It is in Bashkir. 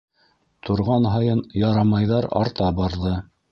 Торған һайын «ярамай»ҙар арта барҙы.